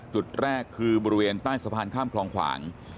จุดแรกคือบริเวณใต้สะพานข้ามคลองขวาง